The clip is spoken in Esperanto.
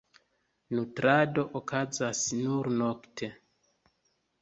Nutrado okazas nur nokte.